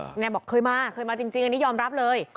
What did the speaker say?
นายบอกเคยมาเคยมาจริงอันนี้ยอมรับเลย